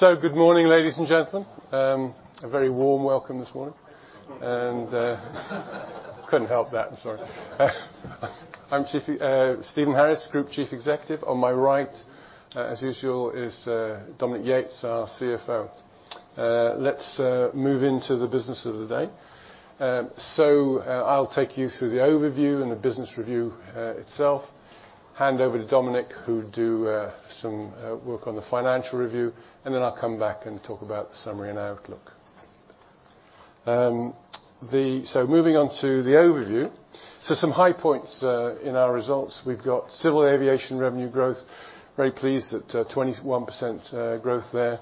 Good morning, ladies and gentlemen. A very warm welcome this morning. Couldn't help that, I'm sorry. I'm Stephen Harris, Group Chief Executive. On my right, as usual, is Dominic Yates, our CFO. Let's move into the business of the day. So, I'll take you through the overview and the business review itself, hand over to Dominic, who'll do some work on the financial review, and then I'll come back and talk about the summary and outlook. So moving on to the overview, some high points in our results. We've got civil aviation revenue growth. Very pleased that 21% growth there.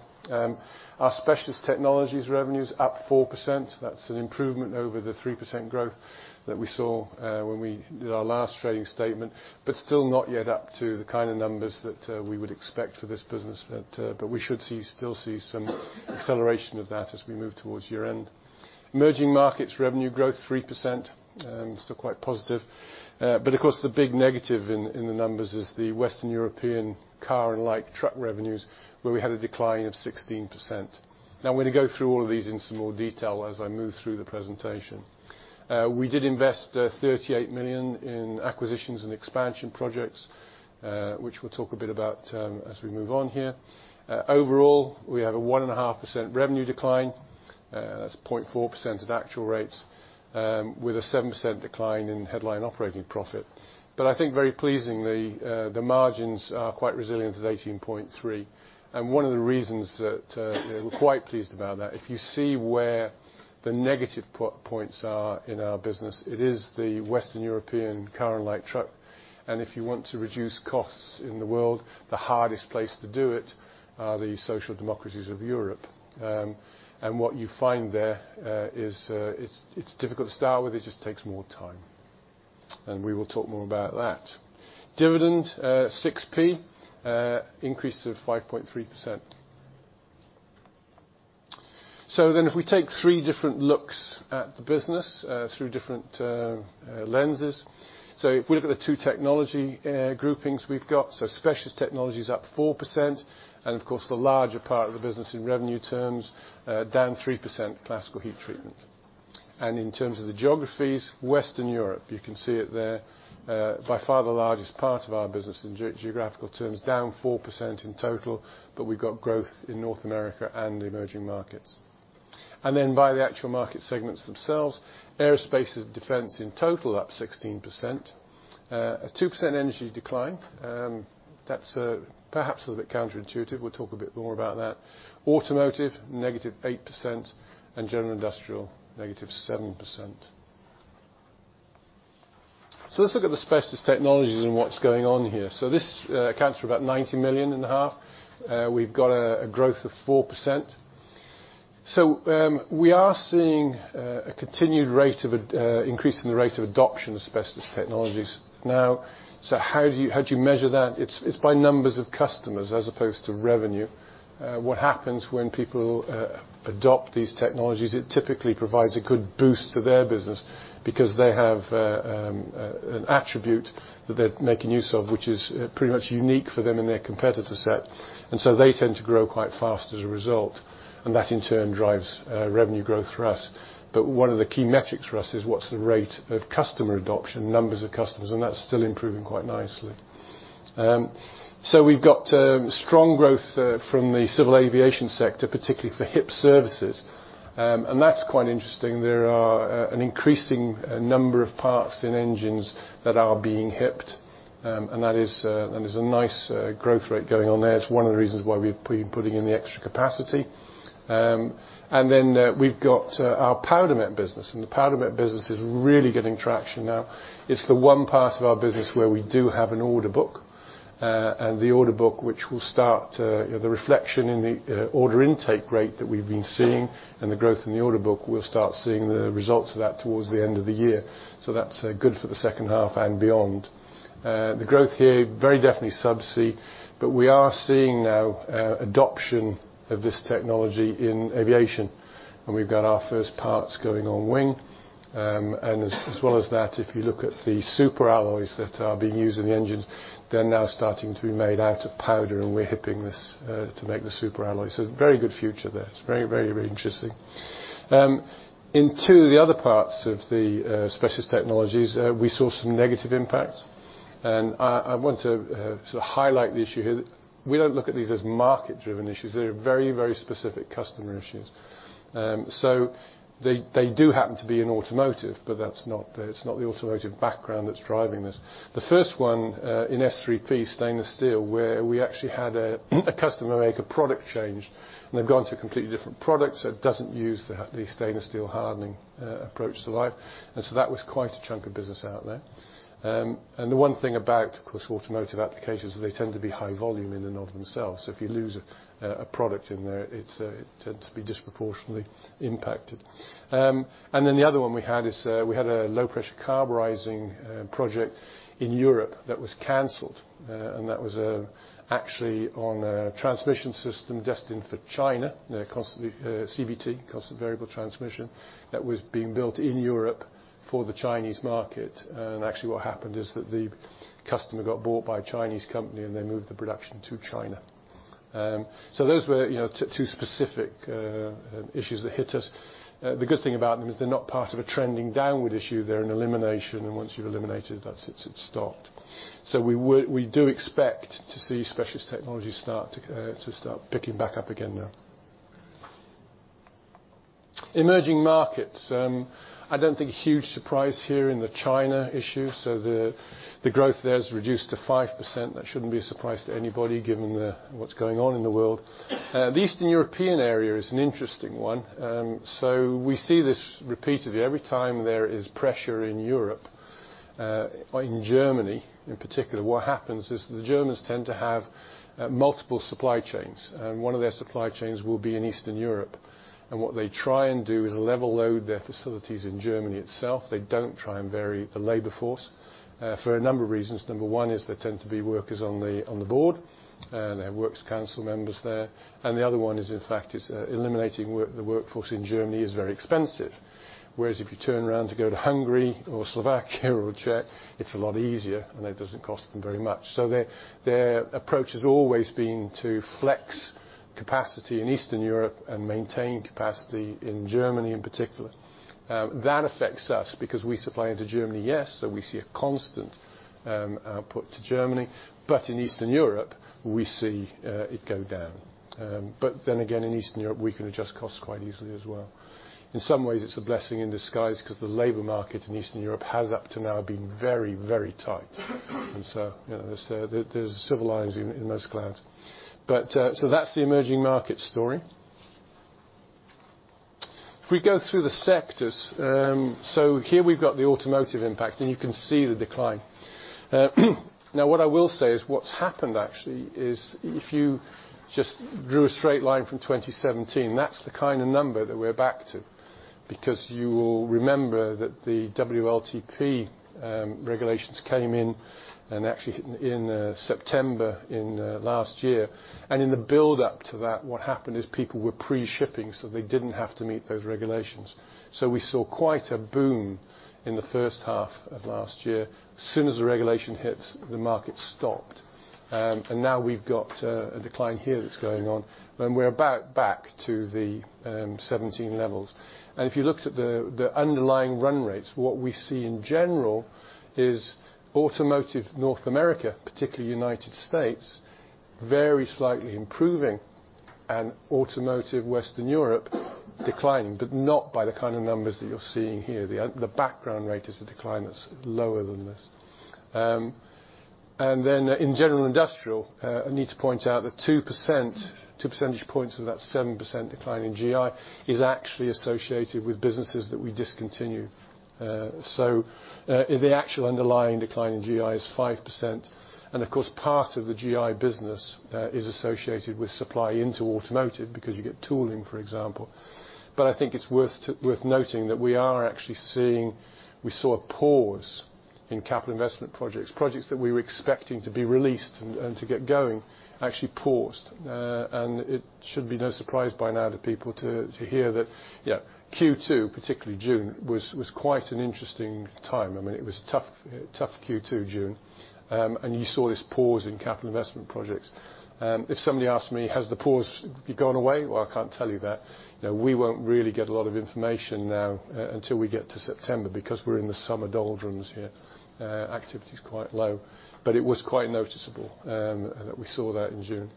Our specialist technologies revenues up 4%. That's an improvement over the 3% growth that we saw, when we did our last trading statement, but still not yet up to the kind of numbers that, we would expect for this business. But, but we should see, still see some acceleration of that as we move towards year-end. Emerging markets revenue growth 3%, still quite positive. But of course, the big negative in, in the numbers is the Western European car and light truck revenues, where we had a decline of 16%. Now, I'm gonna go through all of these in some more detail as I move through the presentation. We did invest, 38 million in acquisitions and expansion projects, which we'll talk a bit about, as we move on here. Overall, we have a 1.5% revenue decline. That's 0.4% at actual rates, with a 7% decline in headline operating profit. But I think very pleasingly, the margins are quite resilient at 18.3, and one of the reasons that, we're quite pleased about that, if you see where the negative points are in our business, it is the Western European car and light truck. And if you want to reduce costs in the world, the hardest place to do it are the social democracies of Europe. And what you find there is, it's difficult to start with. It just takes more time, and we will talk more about that. Dividend, 6p, increase of 5.3%. So then, if we take 3 different looks at the business, through different lenses. So if we look at the two technology groupings, we've got, so specialist technology is up 4%, and of course, the larger part of the business in revenue terms, down 3%, classical heat treatment. In terms of the geographies, Western Europe, you can see it there, by far the largest part of our business in geographical terms, down 4% in total, but we've got growth in North America and the emerging markets. And then, by the actual market segments themselves, Aerospace & Defense, in total, up 16%. A 2% energy decline, that's perhaps a little bit counterintuitive. We'll talk a bit more about that. Automotive, negative 8%, and general industrial, negative 7%. So let's look at the specialist technologies and what's going on here. So this accounts for about 90.5 million. We've got a growth of 4%. So, we are seeing a continued rate of increase in the rate of adoption of specialist technologies. Now, so how do you measure that? It's by numbers of customers as opposed to revenue. What happens when people adopt these technologies, it typically provides a good boost to their business because they have an attribute that they're making use of, which is pretty much unique for them and their competitor set, and so they tend to grow quite fast as a result, and that, in turn, drives revenue growth for us. But one of the key metrics for us is what's the rate of customer adoption, numbers of customers, and that's still improving quite nicely. So we've got strong growth from the civil aviation sector, particularly for HIP services. And that's quite interesting. There are an increasing number of parts in engines that are being HIPed, and that is a nice growth rate going on there. It's one of the reasons why we've been putting in the extra capacity. And then we've got our powdermet business, and the powdermet business is really getting traction now. It's the one part of our business where we do have an order book, and the order book, which will start the reflection in the order intake rate that we've been seeing, and the growth in the order book will start seeing the results of that towards the end of the year. So that's good for the second half and beyond. The growth here, very definitely subsea, but we are seeing now adoption of this technology in aviation, and we've got our first parts going on wing. And as well as that, if you look at the super alloys that are being used in the engines, they're now starting to be made out of powder, and we're HIPing this to make the super alloys. So a very good future there. It's very, very, very interesting. In two of the other parts of the specialist technologies, we saw some negative impacts, and I want to sort of highlight the issue here. We don't look at these as market-driven issues. They're very, very specific customer issues. So they do happen to be in automotive, but that's not. It's not the automotive background that's driving this. The first one, in S3P stainless steel, where we actually had a customer make a product change, and they've gone to a completely different product, so it doesn't use the stainless steel hardening approach to life. And so that was quite a chunk of business out there. And the one thing about, of course, automotive applications is they tend to be high volume in and of themselves. So if you lose a product in there, it tends to be disproportionately impacted. And then the other one we had, a Low-Pressure Carburizing project in Europe that was canceled, and that was actually on a transmission system destined for China. They're constantly, CVT, constant variable transmission, that was being built in Europe for the Chinese market. And actually, what happened is that the customer got bought by a Chinese company, and they moved the production to China. So those were, you know, two specific issues that hit us. The good thing about them is they're not part of a trending downward issue. They're an elimination, and once you've eliminated, that's it, it's stopped. So we do expect to see specialist technology start to, to start picking back up again now. Emerging markets. I don't think huge surprise here in the China issue, so the growth there is reduced to 5%. That shouldn't be a surprise to anybody, given the, what's going on in the world. The Eastern European area is an interesting one. So we see this repeatedly. Every time there is pressure in Europe, or in Germany in particular, what happens is the Germans tend to have multiple supply chains, and one of their supply chains will be in Eastern Europe. What they try and do is level-load their facilities in Germany itself. They don't try and vary the labor force, for a number of reasons. Number one is there tend to be workers on the board, there are works council members there, and the other one is, in fact, eliminating work, the workforce in Germany is very expensive. Whereas if you turn around to go to Hungary or Slovakia or Czech, it's a lot easier, and it doesn't cost them very much. So their approach has always been to flex capacity in Eastern Europe and maintain capacity in Germany in particular. That affects us because we supply into Germany, yes, so we see a constant output to Germany, but in Eastern Europe, we see it go down. But then again, in Eastern Europe, we can adjust costs quite easily as well. In some ways, it's a blessing in disguise because the labor market in Eastern Europe has up to now been very, very tight. And so, you know, there's silver linings in those clouds. But so that's the emerging market story. If we go through the sectors, so here we've got the automotive impact, and you can see the decline. Now, what I will say is what's happened actually is if you just drew a straight line from 2017, that's the kind of number that we're back to. Because you will remember that the WLTP regulations came in, and actually in September in last year, and in the build-up to that, what happened is people were pre-shipping, so they didn't have to meet those regulations. So we saw quite a boom in the first half of last year. As soon as the regulation hits, the market stopped. And now we've got a decline here that's going on, and we're about back to the 17 levels. And if you looked at the underlying run rates, what we see in general is automotive North America, particularly United States, very slightly improving, and automotive Western Europe declining, but not by the kind of numbers that you're seeing here. The background rate is a decline that's lower than this. And then in general industrial, I need to point out that 2%, 2 percentage points of that 7% decline in GI is actually associated with businesses that we discontinued. So, the actual underlying decline in GI is 5%, and of course, part of the GI business is associated with supply into automotive because you get tooling, for example. But I think it's worth noting that we are actually seeing. We saw a pause in capital investment projects. Projects that we were expecting to be released and to get going actually paused. And it should be no surprise by now to people to hear that, yeah, Q2, particularly June, was quite an interesting time. I mean, it was a tough, tough Q2, June, and you saw this pause in capital investment projects. If somebody asked me, "Has the pause gone away?" Well, I can't tell you that. You know, we won't really get a lot of information now until we get to September because we're in the summer doldrums here. Activity is quite low, but it was quite noticeable that we saw that in June.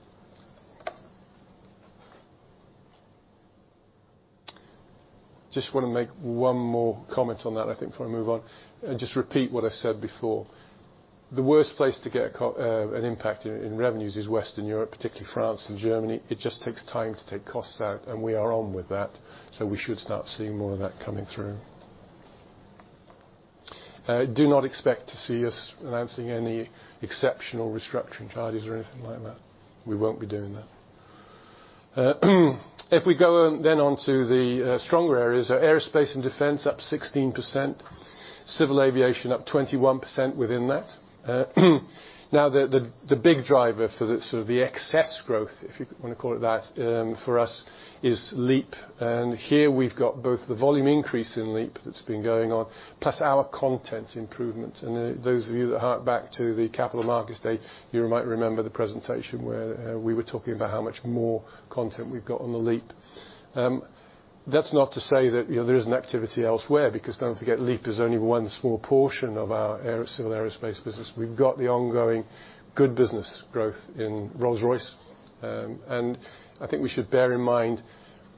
Just wanna make one more comment on that, I think, before I move on and just repeat what I said before. The worst place to get an impact in revenues is Western Europe, particularly France and Germany. It just takes time to take costs out, and we are on with that, so we should start seeing more of that coming through. Do not expect to see us announcing any exceptional restructuring charges or anything like that. We won't be doing that. If we go then onto the stronger areas, our aerospace and defense up 16%, civil aviation up 21% within that. Now, the big driver for the sort of the excess growth, if you wanna call it that, for us, is LEAP. And here, we've got both the volume increase in LEAP that's been going on, plus our content improvement. And those of you that hark back to the capital markets day, you might remember the presentation where we were talking about how much more content we've got on the LEAP. That's not to say that, you know, there isn't activity elsewhere, because don't forget, LEAP is only one small portion of our civil aerospace business. We've got the ongoing good business growth in Rolls-Royce. And I think we should bear in mind,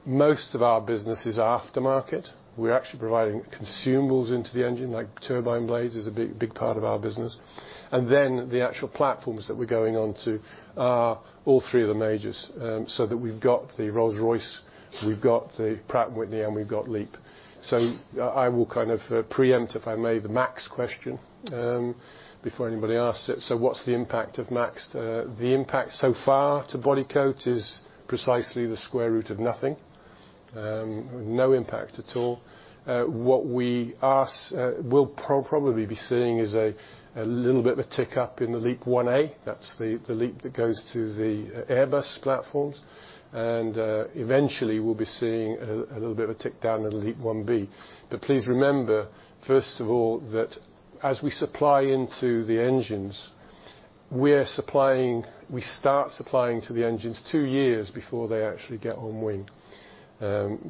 most of our business is aftermarket. We're actually providing consumables into the engine, like turbine blades is a big, big part of our business. And then, the actual platforms that we're going on to are all three of the majors. So that we've got the Rolls-Royce, we've got the Pratt & Whitney, and we've got LEAP. So I will kind of preempt, if I may, the MAX question before anybody asks it: So what's the impact of MAX? The impact so far to Bodycote is precisely the square root of nothing. No impact at all. What we'll probably be seeing is a little bit of a tick-up in the LEAP-1A. That's the LEAP that goes to the Airbus platforms, and eventually, we'll be seeing a little bit of a tick-down in the LEAP-1B. But please remember, first of all, that as we supply into the engines, we are supplying. We start supplying to the engines two years before they actually get on wing.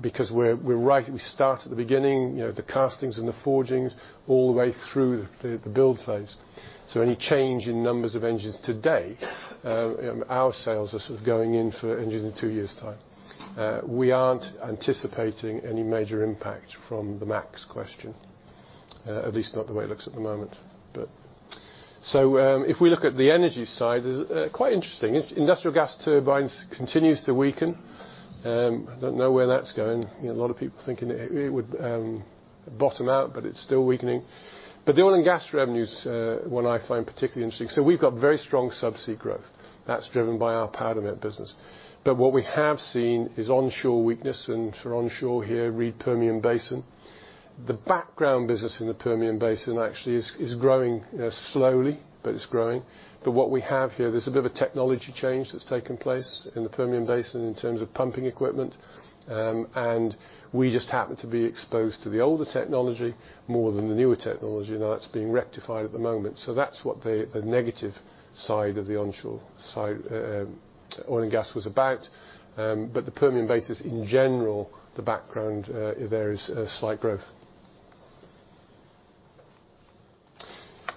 Because we're right, we start at the beginning, you know, the castings and the forgings, all the way through the build phase. So any change in numbers of engines today, our sales are sort of going in for engines in two years' time. We aren't anticipating any major impact from the MAX question, at least not the way it looks at the moment, but. So, if we look at the energy side, quite interesting. Industrial gas turbines continues to weaken. I don't know where that's going. You know, a lot of people thinking it would bottom out, but it's still weakening. But the oil and gas revenues, what I find particularly interesting, so we've got very strong subsea growth. That's driven by our Powermet business. But what we have seen is onshore weakness, and for onshore here, read Permian Basin. The background business in the Permian Basin actually is growing slowly, but it's growing. But what we have here, there's a bit of a technology change that's taken place in the Permian Basin in terms of pumping equipment. And we just happen to be exposed to the older technology more than the newer technology, now that's being rectified at the moment. So that's what the negative side of the onshore side, oil and gas was about. But the Permian Basin in general, the background, there is a slight growth.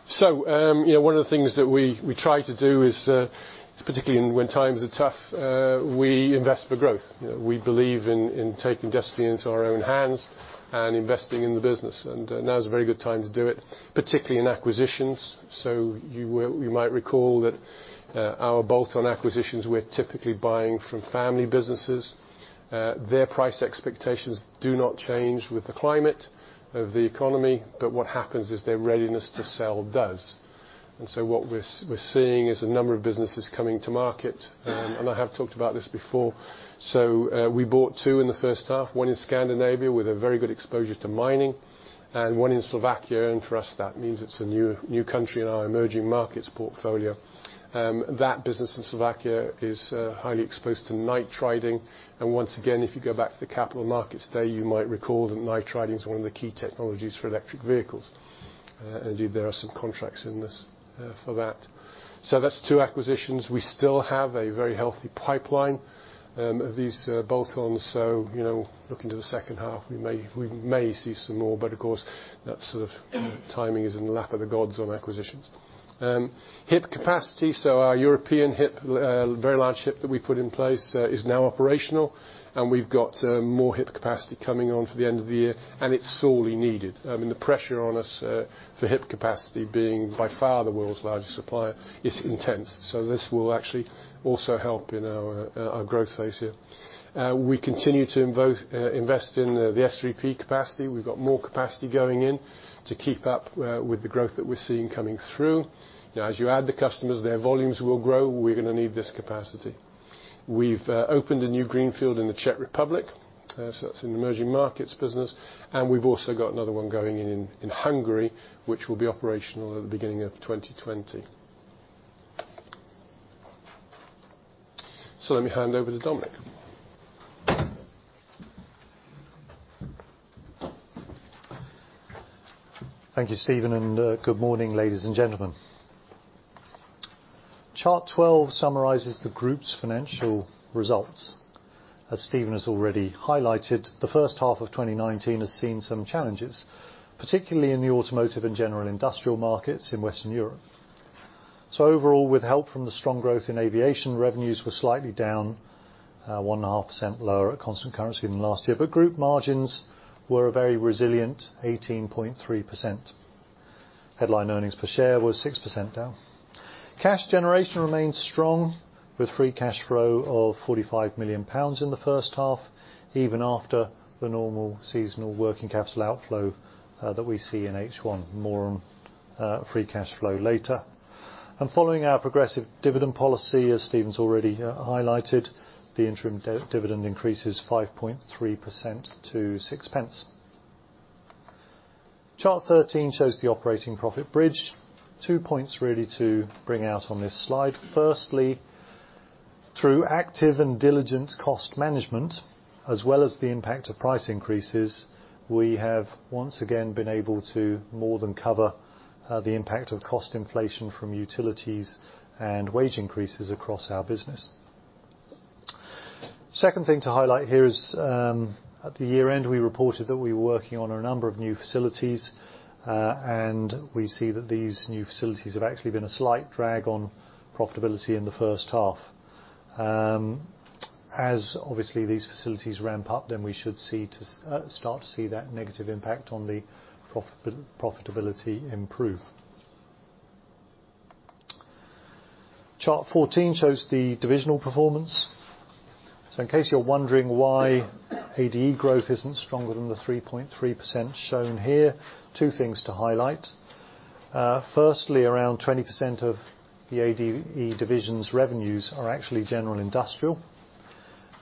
So, you know, one of the things that we, we try to do is, particularly when times are tough, we invest for growth. You know, we believe in, in taking destiny into our own hands and investing in the business, and now is a very good time to do it, particularly in acquisitions. So you will- you might recall that, our bolt-on acquisitions, we're typically buying from family businesses. Their price expectations do not change with the climate of the economy, but what happens is their readiness to sell does. And so what we're, we're seeing is a number of businesses coming to market, and I have talked about this before. So, we bought two in the first half, one in Scandinavia, with a very good exposure to mining, and one in Slovakia. And for us, that means it's a new, new country in our emerging markets portfolio. That business in Slovakia is highly exposed to nitriding. And once again, if you go back to the capital markets today, you might recall that nitriding is one of the key technologies for electric vehicles. Indeed, there are some contracts in this for that. So that's two acquisitions. We still have a very healthy pipeline of these bolt-ons. So, you know, looking to the second half, we may, we may see some more, but of course, that sort of timing is in the lap of the gods on acquisitions. HIP capacity, so our European HIP, very large HIP that we put in place, is now operational, and we've got more HIP capacity coming on for the end of the year, and it's sorely needed. I mean, the pressure on us for HIP capacity being by far the world's largest supplier is intense, so this will actually also help in our growth phase here. We continue to invest in the S3P capacity. We've got more capacity going in to keep up with the growth that we're seeing coming through. Now, as you add the customers, their volumes will grow. We're going to need this capacity. We've opened a new greenfield in the Czech Republic, so that's an emerging markets business, and we've also got another one going in, in Hungary, which will be operational at the beginning of 2020. So let me hand over to Dominic. Thank you, Stephen, and good morning, ladies and gentlemen. Chart 12 summarizes the group's financial results. As Stephen has already highlighted, the first half of 2019 has seen some challenges, particularly in the automotive and general industrial markets in Western Europe. Overall, with help from the strong growth in aviation, revenues were slightly down 1.5% lower at constant currency than last year. Group margins were a very resilient 18.3%. Headline earnings per share was 6% down. Cash generation remains strong, with free cash flow of 45 million pounds in the first half, even after the normal seasonal working capital outflow that we see in H1. More on free cash flow later. Following our progressive dividend policy, as Stephen's already highlighted, the interim dividend increase is 5.3% to 0.06. Chart 13 shows the operating profit bridge. Two points really to bring out on this slide. Firstly, through active and diligent cost management, as well as the impact of price increases, we have once again been able to more than cover the impact of cost inflation from utilities and wage increases across our business. Second thing to highlight here is at the year-end, we reported that we were working on a number of new facilities, and we see that these new facilities have actually been a slight drag on profitability in the first half. As obviously these facilities ramp up, then we should start to see that negative impact on profitability improve. Chart 14 shows the divisional performance. So in case you're wondering why ADE growth isn't stronger than the 3.3% shown here, two things to highlight. Firstly, around 20% of the ADE division's revenues are actually general industrial,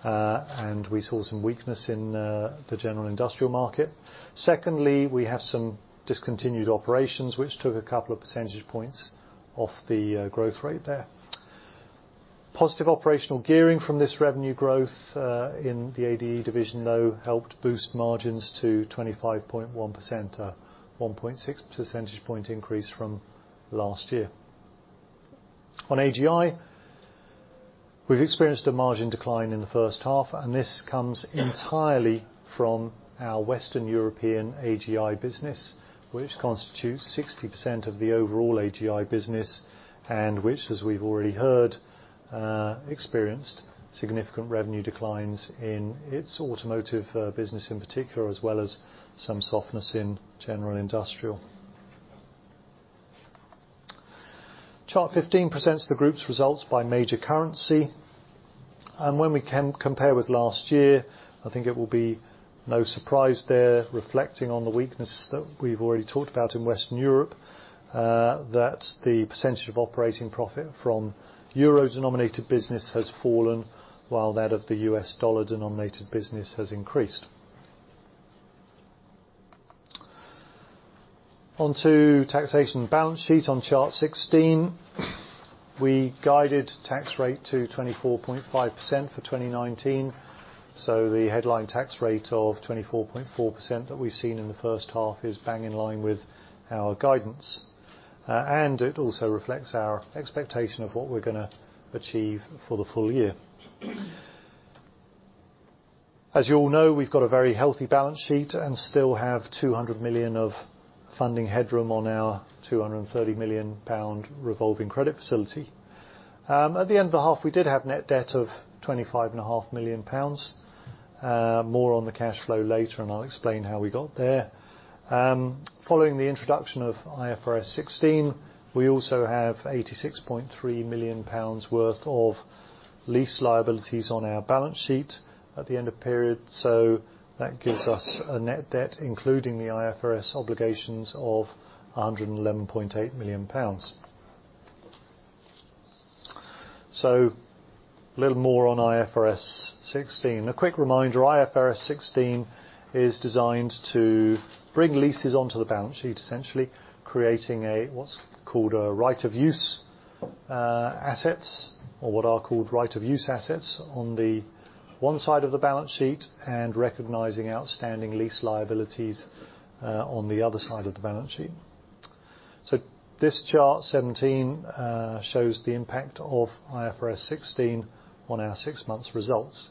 and we saw some weakness in the general industrial market. Secondly, we have some discontinued operations, which took a couple of percentage points off the growth rate there. Positive operational gearing from this revenue growth in the ADE division, though, helped boost margins to 25.1%, 1.6 percentage point increase from last year. On AGI, we've experienced a margin decline in the first half, and this comes entirely from our Western European AGI business, which constitutes 60% of the overall AGI business, and which, as we've already heard, experienced significant revenue declines in its automotive business, in particular, as well as some softness in general industrial. Chart 15 presents the group's results by major currency, and when we can compare with last year, I think it will be no surprise there, reflecting on the weakness that we've already talked about in Western Europe, that the percentage of operating profit from euro-denominated business has fallen, while that of the US dollar-denominated business has increased. On to taxation, balance sheet on Chart 16. We guided tax rate to 24.5% for 2019, so the headline tax rate of 24.4% that we've seen in the first half is bang in line with our guidance. It also reflects our expectation of what we're gonna achieve for the full year. As you all know, we've got a very healthy balance sheet and still have 200 million of funding headroom on our 230 million pound revolving credit facility. At the end of the half, we did have net debt of 25.5 million pounds. More on the cash flow later, and I'll explain how we got there. Following the introduction of IFRS 16, we also have 86.3 million pounds worth of lease liabilities on our balance sheet at the end of period, so that gives us a net debt, including the IFRS obligations, of 111.8 million pounds. So a little more on IFRS 16. A quick reminder, IFRS 16 is designed to bring leases onto the balance sheet, essentially creating a, what's called a right of use assets, or what are called right-of-use assets on the one side of the balance sheet, and recognizing outstanding lease liabilities on the other side of the balance sheet. So this chart 17 shows the impact of IFRS 16 on our six months results.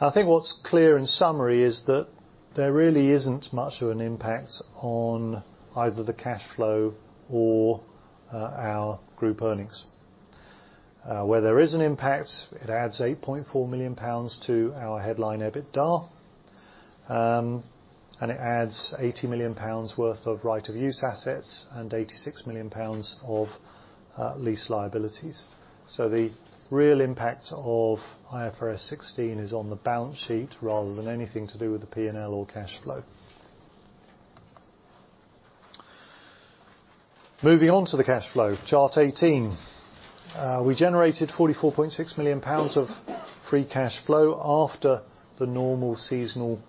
I think what's clear in summary is that there really isn't much of an impact on either the cash flow or our group earnings. Where there is an impact, it adds 8.4 million pounds to our headline EBITDA, and it adds 80 million pounds worth of right of use assets and 86 million pounds of lease liabilities. So the real impact of IFRS 16 is on the balance sheet, rather than anything to do with the P&L or cash flow. Moving on to the cash flow, chart 18. We generated 44.6 million pounds of free cash flow after the normal seasonal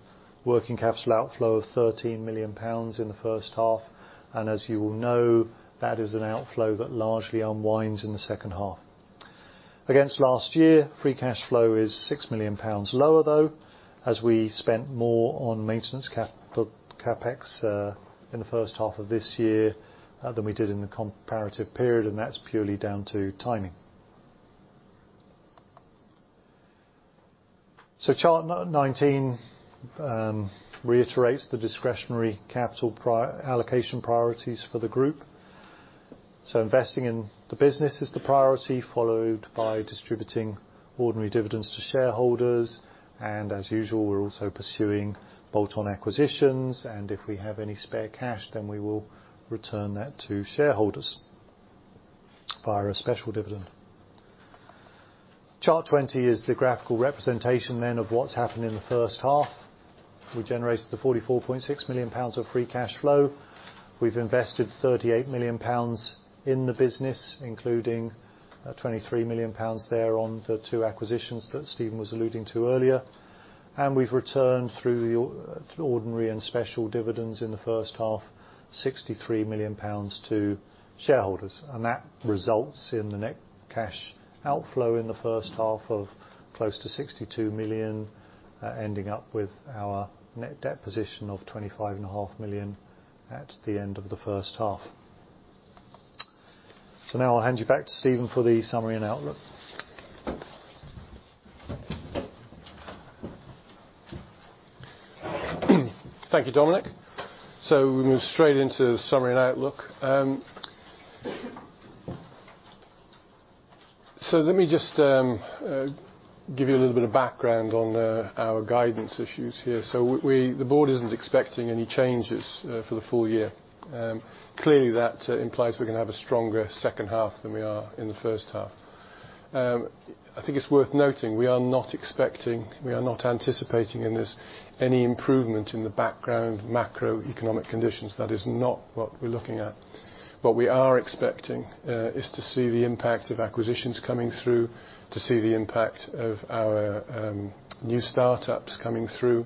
working capital outflow of 13 million pounds in the first half, and as you all know, that is an outflow that largely unwinds in the second half. Against last year, free cash flow is 6 million pounds lower, though, as we spent more on maintenance capital CapEx in the first half of this year than we did in the comparative period, and that's purely down to timing. Chart 19 reiterates the discretionary capital allocation priorities for the group. Investing in the business is the priority, followed by distributing ordinary dividends to shareholders, and as usual, we're also pursuing bolt-on acquisitions, and if we have any spare cash, then we will return that to shareholders via a special dividend. Chart 20 is the graphical representation then of what's happened in the first half. We generated 44.6 million pounds of free cash flow. We've invested 38 million pounds in the business, including twenty-three million pounds there on the two acquisitions that Stephen was alluding to earlier. And we've returned through the ordinary and special dividends in the first half, 63 million pounds to shareholders. And that results in the net cash outflow in the first half of close to 62 million, ending up with our net debt position of 25.5 million at the end of the first half. So now I'll hand you back to Stephen for the summary and outlook. Thank you, Dominic. So we move straight into the summary and outlook. So let me just give you a little bit of background on our guidance issues here. So the board isn't expecting any changes for the full year. Clearly, that implies we're gonna have a stronger second half than we are in the first half. I think it's worth noting, we are not expecting, we are not anticipating in this, any improvement in the background macroeconomic conditions. That is not what we're looking at. What we are expecting is to see the impact of acquisitions coming through... to see the impact of our new startups coming through,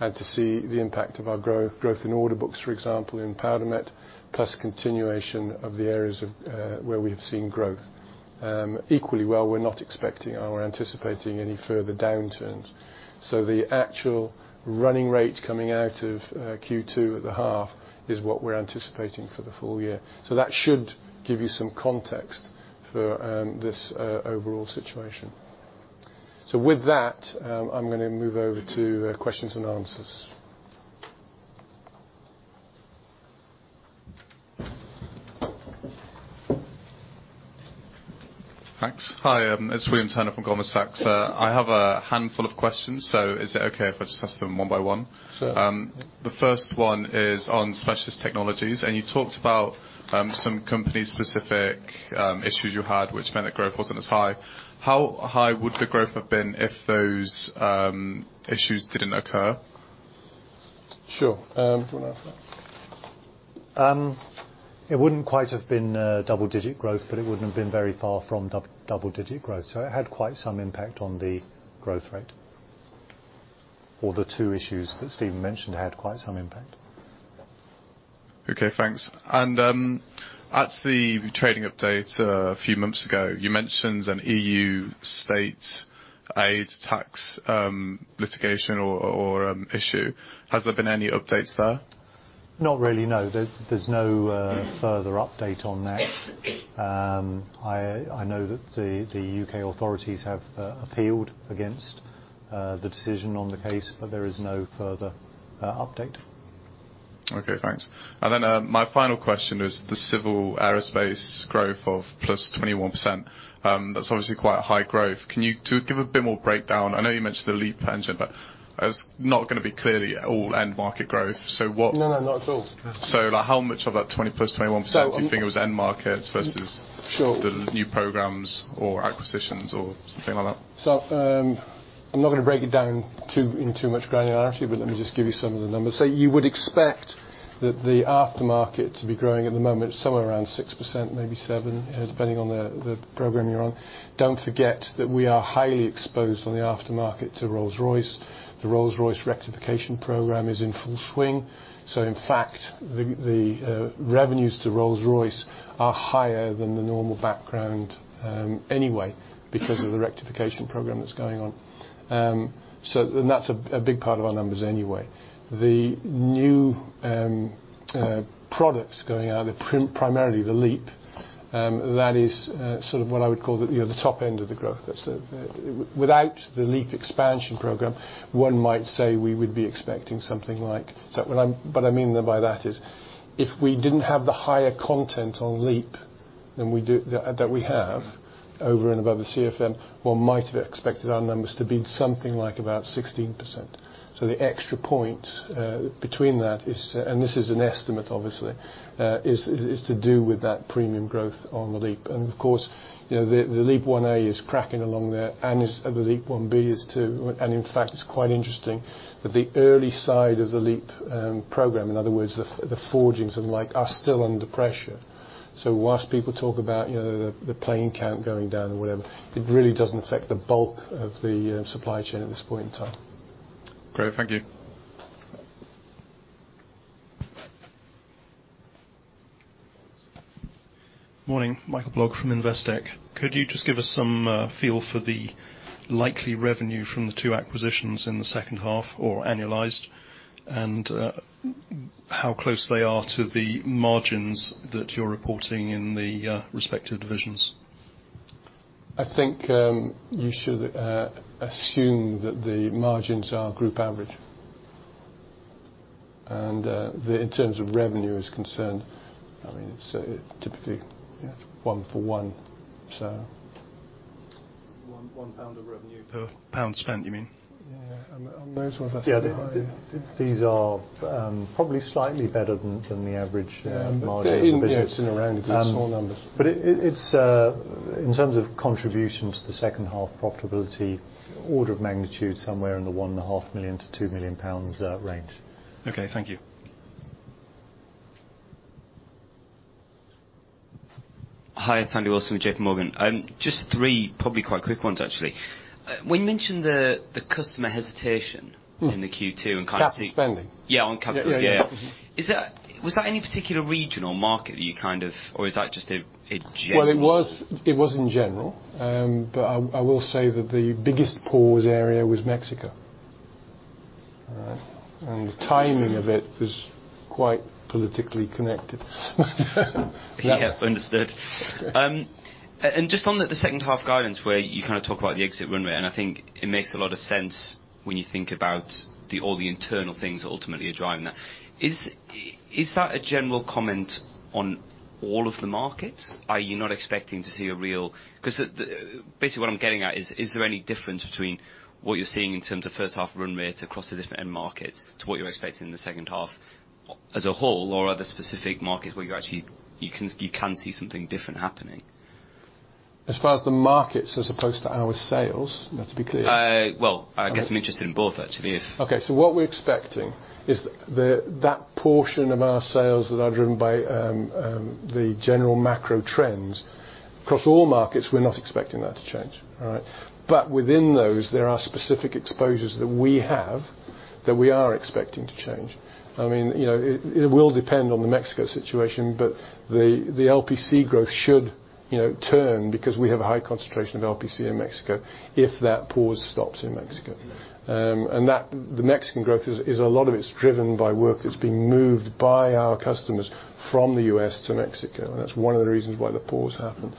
and to see the impact of our growth, growth in order books, for example, in Powdermet, plus continuation of the areas of where we have seen growth. Equally well, we're not expecting or anticipating any further downturns. So the actual running rate coming out of Q2 at the half is what we're anticipating for the full year. So that should give you some context for this overall situation. So with that, I'm gonna move over to questions and answers. Thanks. Hi, it's William Turner from Goldman Sachs. I have a handful of questions, so is it okay if I just ask them one by one? Sure. The first one is on specialist technologies, and you talked about some company-specific issues you had, which meant that growth wasn't as high. How high would the growth have been if those issues didn't occur? Sure, do you want to answer that? It wouldn't quite have been a double-digit growth, but it wouldn't have been very far from double-digit growth, so it had quite some impact on the growth rate. Or the two issues that Stephen mentioned had quite some impact. Okay, thanks. And, at the trading update a few months ago, you mentioned an EU state aid tax, litigation or, or, issue. Has there been any updates there? Not really, no. There's no further update on that. I know that the UK authorities have appealed against the decision on the case, but there is no further update. Okay, thanks. And then, my final question is the civil aerospace growth of +21%. That's obviously quite a high growth. Can you give a bit more breakdown? I know you mentioned the LEAP engine, but that's not going to be clearly all end market growth. So what- No, no, not at all. How much of that 20 + 21%- So- Do you think it was end markets versus the new programs or acquisitions or something like that? So, I'm not going to break it down in too much granularity, but let me just give you some of the numbers. So you would expect that the aftermarket to be growing at the moment, somewhere around 6%, maybe 7, depending on the program you're on. Don't forget that we are highly exposed on the aftermarket to Rolls-Royce. The Rolls-Royce rectification program is in full swing. So in fact, the revenues to Rolls-Royce are higher than the normal background, anyway, because of the rectification program that's going on. So, and that's a big part of our numbers anyway. The new products going out, primarily the LEAP, that is sort of what I would call the, you know, the top end of the growth. Without the LEAP expansion program, one might say we would be expecting something like... What I mean by that is, if we didn't have the higher content on LEAP than we do, that we have over and above the CFM, one might have expected our numbers to be something like about 16%. So the extra point between that is, and this is an estimate, obviously, is to do with that premium growth on the LEAP. And of course, you know, the LEAP-1A is cracking along there, and the LEAP-1B is too. And in fact, it's quite interesting that the early side of the LEAP program, in other words, the forgings and like, are still under pressure. While people talk about, you know, the plane count going down or whatever, it really doesn't affect the bulk of the supply chain at this point in time. Great, thank you. Morning, Michael Blogg from Investec. Could you just give us some feel for the likely revenue from the two acquisitions in the second half or annualized, and how close they are to the margins that you're reporting in the respective divisions? I think, you should assume that the margins are group average. The, in terms of revenue is concerned, I mean, it's typically one for one, so. 1 pound of revenue per GBP 1 spent, you mean? Yeah, on those ones, I think. Yeah, these are probably slightly better than the average margin of business. Yes, in around the small numbers. But it's in terms of contribution to the second half profitability, order of magnitude, somewhere in the 1.5 million-2 million pounds range. Okay, thank you. Hi, Andrew Wilson, J.P. Morgan. Just three, probably quite quick ones, actually. When you mentioned the customer hesitation in the Q2 and kind of Capital spending. Yeah, on capital, yeah. Yes. Is that, was that any particular region or market that you kind of, or is that just a general? Well, it was, it was in general, but I, I will say that the biggest pause area was Mexico. And the timing of it was quite politically connected. Yeah, understood. And just on the second half guidance, where you kind of talk about the exit run rate, and I think it makes a lot of sense when you think about all the internal things that ultimately are driving that. Is that a general comment on all of the markets? Are you not expecting to see a real... Because basically what I'm getting at is, is there any difference between what you're seeing in terms of first half run rate across the different end markets to what you're expecting in the second half as a whole, or are there specific markets where you're actually you can see something different happening? As far as the markets as opposed to our sales, you have to be clear? Well, I guess I'm interested in both, actually, if- Okay, so what we're expecting is that portion of our sales that are driven by the general macro trends. Across all markets, we're not expecting that to change, all right? But within those, there are specific exposures that we have that we are expecting to change. I mean, you know, it will depend on the Mexico situation, but the LPC growth should, you know, turn because we have a high concentration of LPC in Mexico, if that pause stops in Mexico. And the Mexican growth is a lot of it's driven by work that's being moved by our customers from the U.S. to Mexico, and that's one of the reasons why the pause happened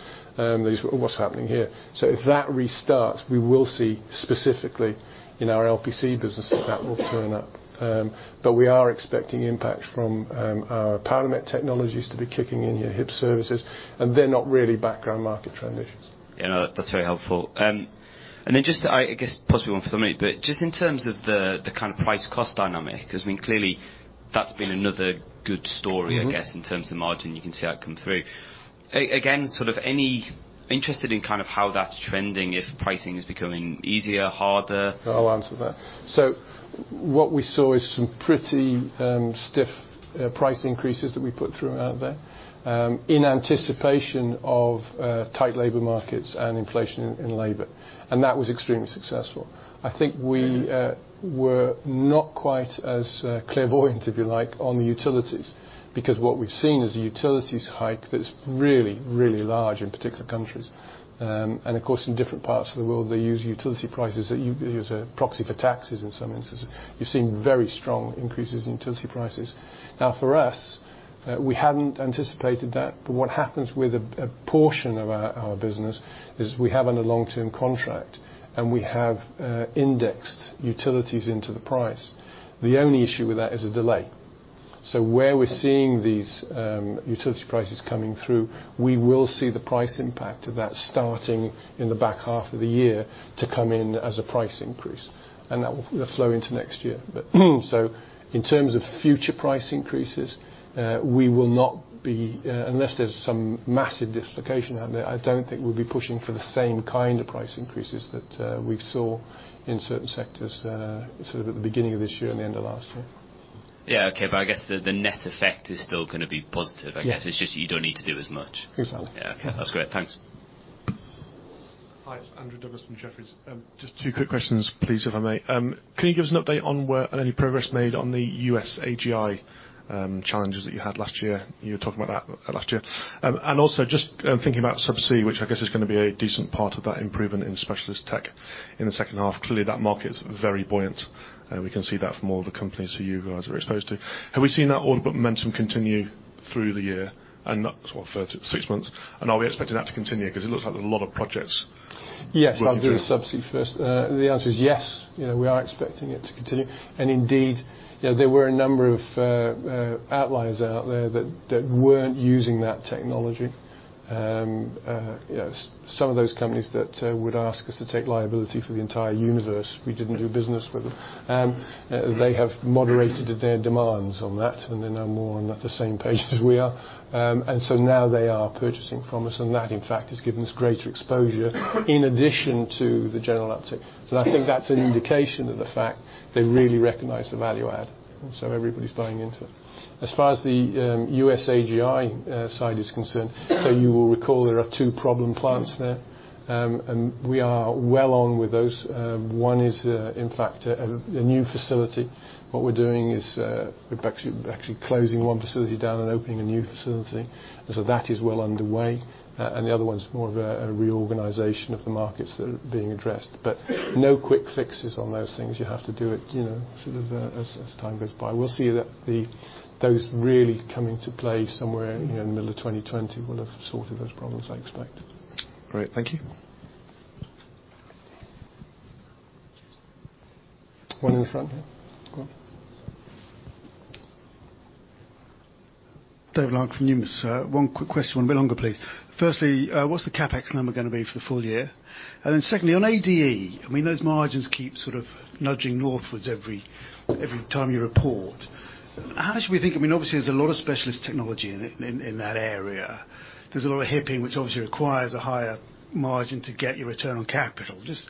is what's happening here. So if that restarts, we will see specifically in our LPC business, that will turn up. But we are expecting impact from our Powdermet technologies to be kicking in our HIP services, and they're not really broader market transitions. Yeah, no, that's very helpful. And then just, I guess, possibly one for me, but just in terms of the, the kind of price cost dynamic, because, I mean, clearly, that's been another good story I guess, in terms of margin, you can see that come through. Again, sort of any interested in kind of how that's trending, if pricing is becoming easier, harder? I'll answer that. So what we saw is some pretty stiff price increases that we put through out there in anticipation of tight labor markets and inflation in labor, and that was extremely successful. I think we were not quite as clairvoyant, if you like, on the utilities, because what we've seen is a utilities hike that's really, really large in particular countries. And of course, in different parts of the world, they use utility prices, they use a proxy for taxes in some instances. You've seen very strong increases in utility prices. Now, for us, we hadn't anticipated that, but what happens with a portion of our business is we have under long-term contract, and we have indexed utilities into the price. The only issue with that is a delay. So where we're seeing these utility prices coming through, we will see the price impact of that starting in the back half of the year to come in as a price increase, and that will flow into next year. But so in terms of future price increases, we will not be, unless there's some massive dislocation out there, I don't think we'll be pushing for the same kind of price increases that we saw in certain sectors sort of at the beginning of this year and the end of last year. Yeah, okay, but I guess the net effect is still gonna be positive. Yeah. I guess, it's just you don't need to do as much. Exactly. Yeah, okay. That's great. Thanks. Hi, it's Andrew Douglas from Jefferies. Just two quick questions, please, if I may. Can you give us an update on where any progress made on the US AGI challenges that you had last year? You were talking about that last year. And also just thinking about Subsea, which I guess is gonna be a decent part of that improvement in specialist tech in the second half. Clearly, that market is very buoyant, and we can see that from all the companies who you guys are exposed to. Have we seen that order momentum continue through the year, and that's what, 36 months, and are we expecting that to continue? Because it looks like there's a lot of projects. Yes, I'll do the Subsea first. The answer is yes. You know, we are expecting it to continue. And indeed, you know, there were a number of outliers out there that weren't using that technology. You know, some of those companies that would ask us to take liability for the entire universe, we didn't do business with them. They have moderated their demands on that, and they're now more on the same page as we are. And so now they are purchasing from us, and that, in fact, has given us greater exposure in addition to the general uptick. So I think that's an indication of the fact they really recognize the value add, so everybody's buying into it. As far as the US AGI side is concerned, so you will recall there are two problem plants there, and we are well on with those. One is, in fact, a new facility. What we're doing is, we're actually closing one facility down and opening a new facility, and so that is well underway. And the other one is more of a reorganization of the markets that are being addressed. But no quick fixes on those things. You have to do it, you know, sort of, as time goes by. We'll see that those really come into play somewhere in the middle of 2020; we'll have sorted those problems, I expect. Great. Thank you. One in the front here. Go on. David Lark from Numis. One quick question, one a bit longer, please. Firstly, what's the CapEx number gonna be for the full year? And then secondly, on ADE, I mean, those margins keep sort of nudging northwards every time you report. How should we think? I mean, obviously, there's a lot of specialist technology in it, in that area. There's a lot of hipping, which obviously requires a higher margin to get your return on capital. Just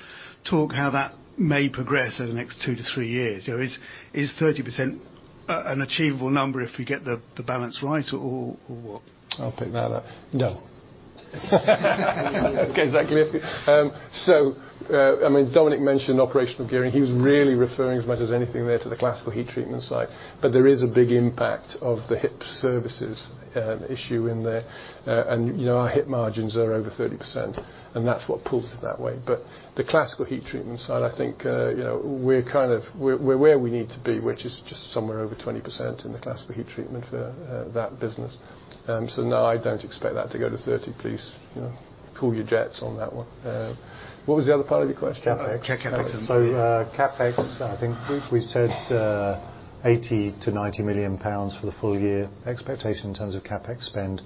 talk how that may progress over the next two to three years. You know, is 30% an achievable number if we get the balance right or what? I'll take that. No. Okay, exactly. So, I mean, Dominic mentioned operational gearing. He was really referring, as much as anything there, to the classical heat treatment side. But there is a big impact of the hip services issue in there. And, you know, our hip margins are over 30%, and that's what pulls it that way. But the classical heat treatment side, I think, you know, we're kind of where we need to be, which is just somewhere over 20% in the classical heat treatment for that business. So no, I don't expect that to go to 30, please. You know, cool your jets on that one. What was the other part of your question? CapEx. So, CapEx, I think we said, 80 million-90 million pounds for the full year. Expectation in terms of CapEx spend,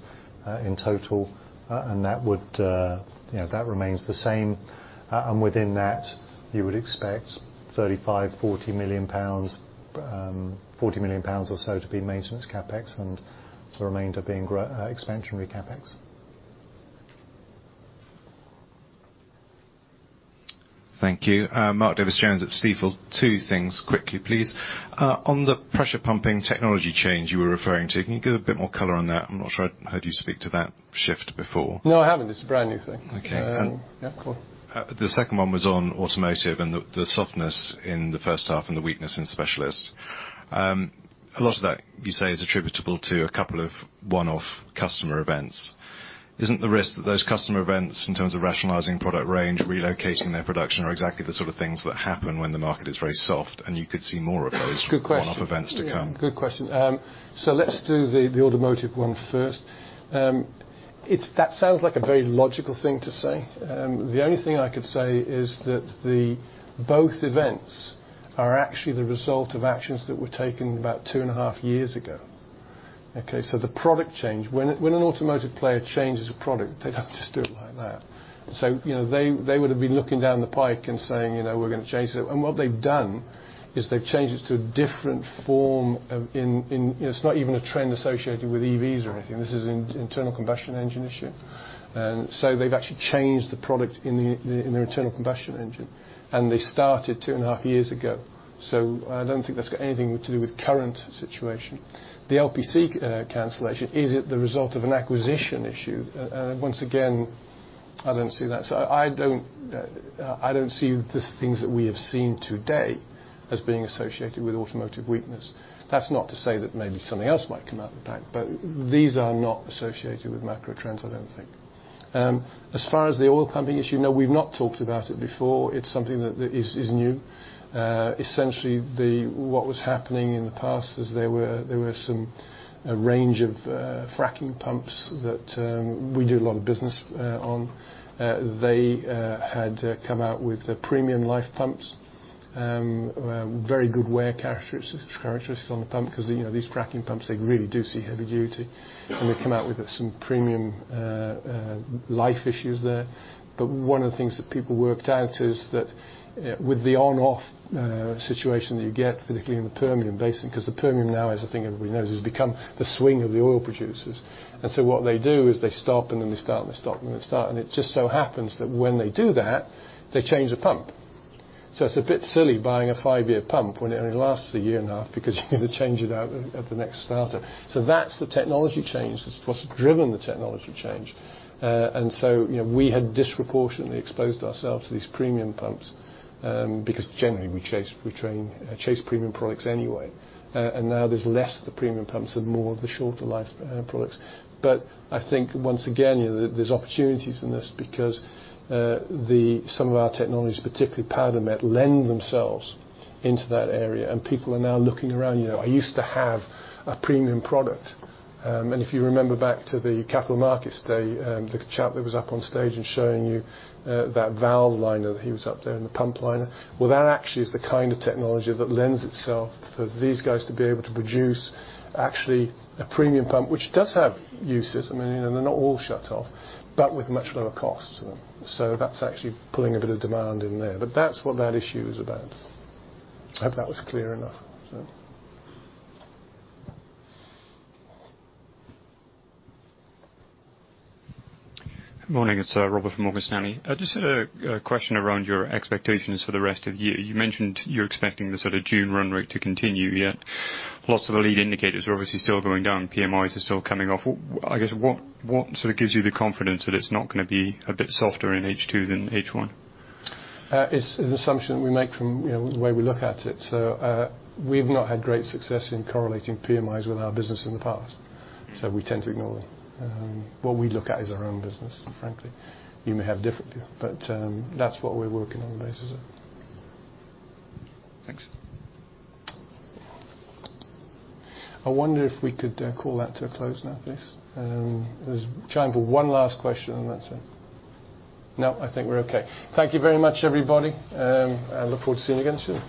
in total, and that would, you know, that remains the same. And within that, you would expect 35-40 million pounds, 40 million pounds or so to be maintenance CapEx, and the remainder being expansionary CapEx. Thank you. Mark Davies Jones at Stifel. Two things quickly, please. On the pressure pumping technology change you were referring to, can you give a bit more color on that? I'm not sure I heard you speak to that shift before. No, I haven't. It's a brand new thing. Okay. Yeah, cool. The second one was on automotive and the softness in the first half and the weakness in specialists. A lot of that you say is attributable to a couple of one-off customer events. Isn't the risk that those customer events, in terms of rationalizing product range, relocating their production, are exactly the sort of things that happen when the market is very soft, and you could see more of those one-off events to come? Yeah, good question. So let's do the automotive one first. It's that sounds like a very logical thing to say. The only thing I could say is that the both events are actually the result of actions that were taken about two and a half years ago. Okay, so the product change. When an automotive player changes a product, they don't just do it like that. So, you know, they would have been looking down the pike and saying, you know, "We're gonna change it." And what they've done is they've changed it to a different form of, in. It's not even a trend associated with EVs or anything. This is an internal combustion engine issue. And so they've actually changed the product in the internal combustion engine, and they started two and a half years ago. So I don't think that's got anything to do with current situation. The LPC cancellation, is it the result of an acquisition issue? Once again, I don't see that. So I don't, I don't see the things that we have seen today as being associated with automotive weakness. That's not to say that maybe something else might come out of the back, but these are not associated with macro trends, I don't think. As far as the oil pumping issue, no, we've not talked about it before. It's something that is new. Essentially, what was happening in the past is there were some, a range of fracking pumps that we do a lot of business on. They had come out with premium life pumps. Very good wear characteristics, characteristics on the pump, 'cause, you know, these fracking pumps, they really do see heavy duty. And they come out with some premium, life issues there. But one of the things that people worked out is that with the on/off situation that you get, particularly in the Permian Basin, because the Permian now, as I think everybody knows, has become the swing of the oil producers. And so what they do is they stop, and then they start, and they stop, and then they start. And it just so happens that when they do that, they change the pump. So it's a bit silly buying a five-year pump when it only lasts a year and a half because you're going to change it out at the next starter. So that's the technology change. That's what's driven the technology change. And so, you know, we had disproportionately exposed ourselves to these premium pumps because generally, we chase premium products anyway. And now there's less of the premium pumps and more of the shorter life products. But I think once again, you know, there's opportunities in this because some of our technologies, particularly powder metal, lend themselves into that area, and people are now looking around. You know, I used to have a premium product. And if you remember back to the capital markets day, the chap that was up on stage and showing you that valve liner, he was up there in the pump liner. Well, that actually is the kind of technology that lends itself for these guys to be able to produce actually a premium pump, which does have uses. I mean, they're not all shut off, but with much lower costs. So that's actually pulling a bit of demand in there. But that's what that issue is about. I hope that was clear enough, so. Good morning, it's Robert from Morgan Stanley. I just had a question around your expectations for the rest of the year. You mentioned you're expecting the sort of June run rate to continue, yet lots of the lead indicators are obviously still going down. PMIs are still coming off. I guess, what sort of gives you the confidence that it's not gonna be a bit softer in H2 than H1? It's an assumption we make from, you know, the way we look at it. So, we've not had great success in correlating PMIs with our business in the past, so we tend to ignore them. What we look at is our own business, and frankly, you may have different view, but, that's what we're working on the basis of. Thanks. I wonder if we could call that to a close now, please. I was trying for one last question, and that's it. No, I think we're okay. Thank you very much, everybody, I look forward to seeing you again soon.